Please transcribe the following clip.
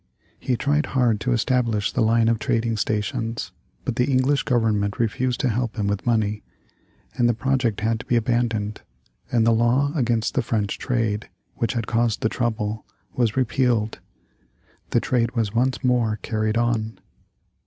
He tried hard to establish the line of trading stations, but the English Government refused to help him with money, and the project had to be abandoned, and the law against the French trade, which had caused the trouble, was repealed. The trade was once more carried on.